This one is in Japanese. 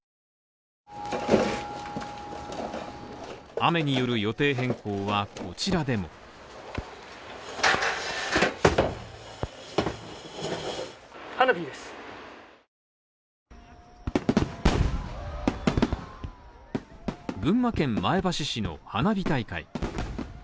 雨による予定変更はこちらでも群馬県前橋市の花火大会。